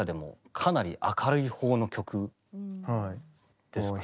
かなり明るい方の曲ですかね。